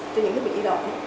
cho những thiết bị đi động